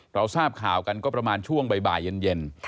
เราทราบข่าวกันก็ประมาณช่วงบ่ายเย็น